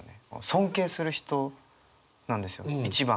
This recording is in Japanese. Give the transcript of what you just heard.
尊敬する人なんですよ一番。